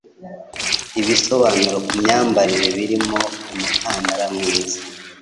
Ibisobanuro ku myambarire birimo umukandara mwiza.